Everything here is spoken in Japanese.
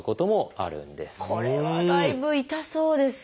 これはだいぶ痛そうですけれども。